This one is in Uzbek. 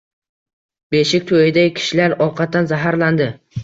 Beshik toʻyida kishilar ovqatdan zaharlandi.